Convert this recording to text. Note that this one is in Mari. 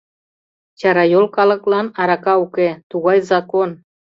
Чарайол калыклан арака уке — тугай закон!